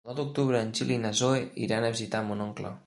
El nou d'octubre en Gil i na Zoè iran a visitar mon oncle.